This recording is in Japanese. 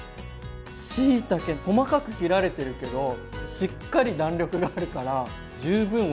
しいたけ細かく切られてるけどしっかり弾力があるから十分おいしくなる。